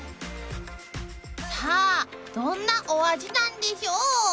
［さあどんなお味なんでしょう？］